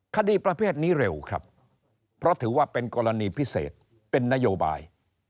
คดีประเภทนี้เร็วครับเพราะถือว่าเป็นกรณีพิเศษเป็นนโยบาย